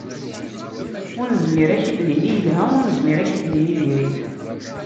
Ur nezmir ad k-d-nini yelha, ur nezmir ad k-d-nini diri-t.